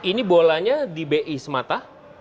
ini bolanya di bi semata